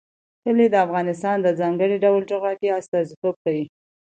کلي د افغانستان د ځانګړي ډول جغرافیه استازیتوب کوي.